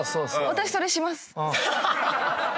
私それします。